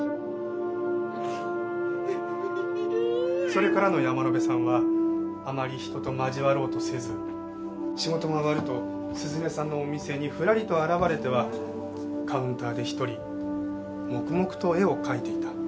それからの山野辺さんはあまり人と交わろうとせず仕事が終わると涼音さんのお店にふらりと現れてはカウンターで一人黙々と絵を描いていた。